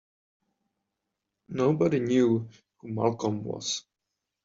Nobody knew who Malcolm was.